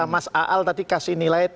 mas aal tadi kasih nilai tujuh puluh delapan